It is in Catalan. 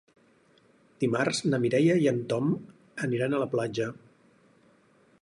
Dimarts na Mireia i en Tom aniran a la platja.